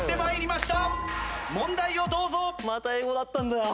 また英語だったんだよ。